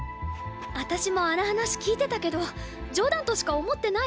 私もあの話聞いてたけど冗談としか思ってないよ